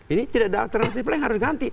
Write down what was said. ini tidak ada alternatif lain yang harus diganti